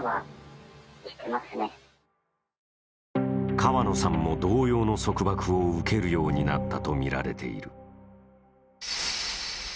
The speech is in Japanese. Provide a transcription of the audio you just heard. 川野さんも同様の束縛を受けるようになったとみられている。